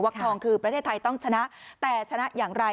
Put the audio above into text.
ทองคือประเทศไทยต้องชนะแต่ชนะอย่างไร